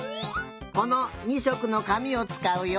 この２しょくのかみをつかうよ。